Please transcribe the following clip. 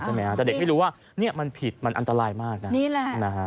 แต่เด็กไม่รู้ว่านี่มันผิดมันอันตรายมากนะ